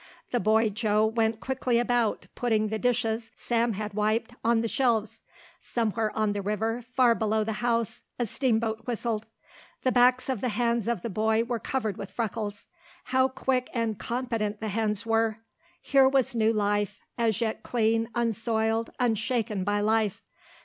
The boy Joe went quickly about, putting the dishes Sam had wiped on the shelves. Somewhere on the river, far below the house, a steamboat whistled. The backs of the hands of the boy were covered with freckles. How quick and competent the hands were. Here was new life, as yet clean, unsoiled, unshaken by life.